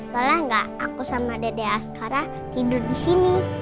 boleh gak aku sama dede askara tidur disini